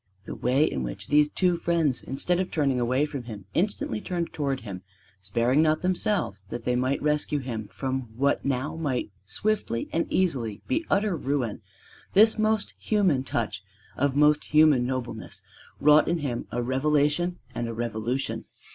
The way in which these two friends instead of turning away from him instantly turned toward him, sparing not themselves that they might rescue him from what now might swiftly and easily be utter ruin this most human touch of most human nobleness wrought in him a revelation and a revolution.